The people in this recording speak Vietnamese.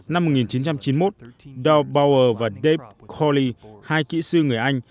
năm một nghìn chín trăm chín mươi một doug bauer và dave cawley hai kỹ sư người anh